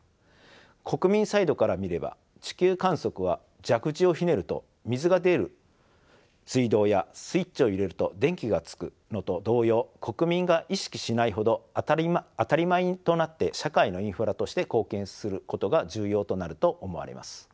国民サイドから見れば地球観測は蛇口をひねると水が出る水道やスイッチを入れると電気がつくのと同様国民が意識しないほど当たり前となって社会のインフラとして貢献することが重要となると思われます。